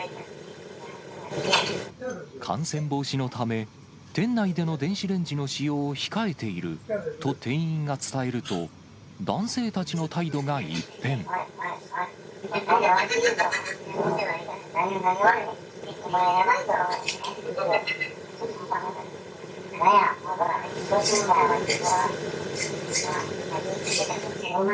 感染防止のため、店内での電子レンジの使用を控えていると店員が伝えると、おい、態度悪すぎるぞ、お前。